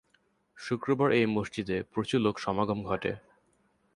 শুক্রবার এই মসজিদে প্রচুর লোক সমাগম ঘটে।